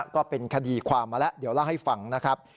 ก็เป็นคดีความมาแล้วเดี๋ยวเล่าให้ฟังนะครับ